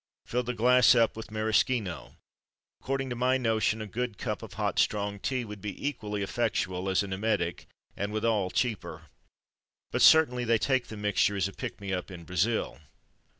Fill the glass up with maraschino. According to my notion, a good cup of hot, strong tea would be equally effectual, as an emetic, and withal cheaper. But they certainly take the mixture as a pick me up in Brazil.